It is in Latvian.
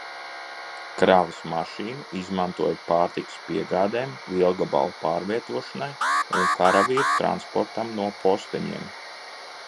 Kravas mašīnu izmantoja pārtikas piegādēm, lielgabalu pārvietošanai un karavīru transportam no posteņiem.